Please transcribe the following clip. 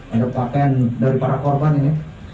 ada pakaian dari para korban ini